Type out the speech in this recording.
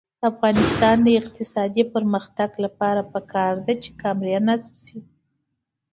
د افغانستان د اقتصادي پرمختګ لپاره پکار ده چې کامرې نصب شي.